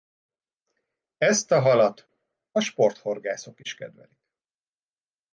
Ezt a halat a sporthorgászok is kedvelik.